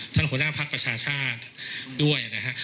ท่านหัวหน้าภักร์ประชาชาฯด้วยนะฮะ